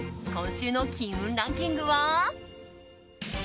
今週の金運ランキングは。